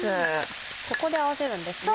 ここで合わせるんですね。